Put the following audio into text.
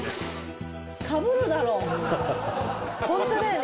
ホントだよね。